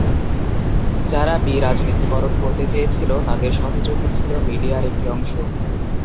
যারা বি রাজনীতিকরণ করতে চেয়েছিল, তাদের সহযোগী ছিল মিডিয়ার একটি অংশ।